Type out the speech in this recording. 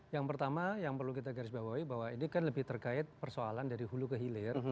yang pertama yang perlu kita garis bawahi bahwa ini kan lebih terkait persoalan dari hulu ke hilir